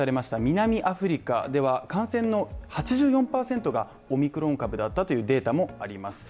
南アフリカでは、感染の８４％がオミクロン株だったというデータもあります。